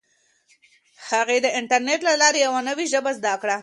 هغې د انټرنیټ له لارې یوه نوي ژبه زده کړه.